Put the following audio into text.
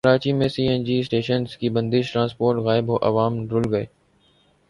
کراچی میں C N G stations کی بندش ٹرانسپورٹ غائب عوام رل گئے